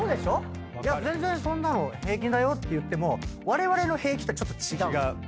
「全然そんなの平気だよ」って言ってもわれわれの平気とはちょっと違うんです。